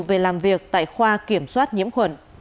về làm việc tại khoa kiểm soát nhiễm khuẩn